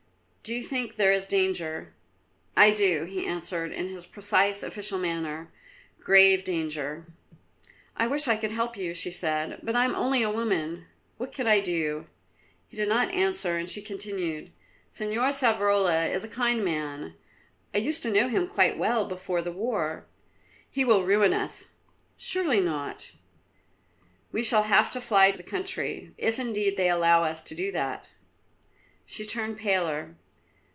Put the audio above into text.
Do you think there is danger?" "I do," he answered in his precise official manner, "grave danger." "I wish I could help you," she said, "but I am only a woman. What can I do?" He did not answer and she continued: "Señor Savrola is a kind man. I used to know him quite well before the war." "He will ruin us." "Surely not." "We shall have to fly the country, if indeed they allow us to do that." She turned paler.